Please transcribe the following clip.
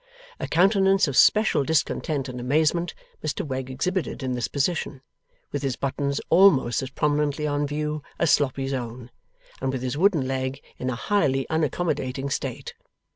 A countenance of special discontent and amazement Mr Wegg exhibited in this position, with his buttons almost as prominently on view as Sloppy's own, and with his wooden leg in a highly unaccommodating state.